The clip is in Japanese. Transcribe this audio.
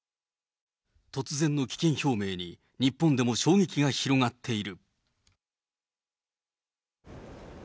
突然の棄権表明に、日本でも衝撃が広がっている。